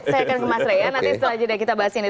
saya akan ke mas reyyan nanti setelah itu deh kita bahas ini